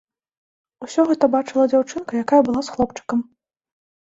Усё гэта бачыла дзяўчынка, якая была з хлопчыкам.